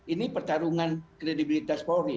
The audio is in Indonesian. ini pertarungan kredibilitas polri